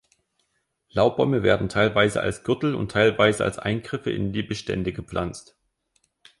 Laubbäume werden teilweise als Gürtel und teilweise als Eingriffe in die Bestände gepflanzt.